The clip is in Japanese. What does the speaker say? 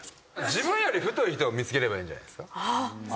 自分より太い人を見つければいいんじゃないですか？